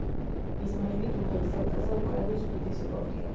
იზმაილი დუნაის დელტაზე უკრაინის უდიდესი პორტია.